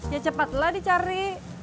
ya cepatlah dicari